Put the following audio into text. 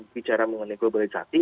bicara mengenai globalisasi